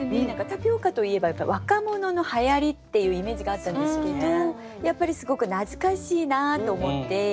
タピオカといえば若者のはやりっていうイメージがあったんですけどやっぱりすごく懐かしいなと思って。